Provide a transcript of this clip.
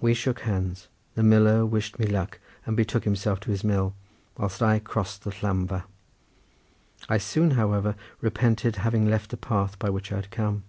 We shook hands, the miller wished me luck, and betook himself to his mill, whilst I crossed the llamfa. I soon, however, repented having left the path by which I had come.